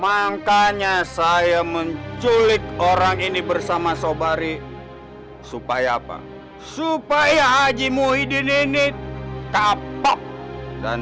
makanya saya menculik orang ini bersama saubari supaya apa supaya haji muhyiddin ini kapak dan